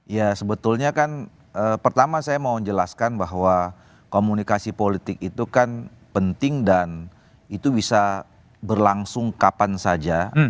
ya sebetulnya kan pertama saya mau menjelaskan bahwa komunikasi politik itu kan penting dan itu bisa berlangsung kapan saja